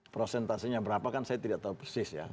prosentasenya berapa kan saya tidak tahu persis ya